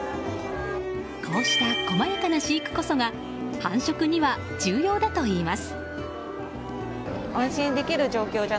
こうした細やかな飼育こそが繁殖には重要だといいます。